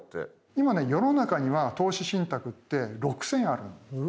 今ね世の中には投資信託って６，０００あるんですね。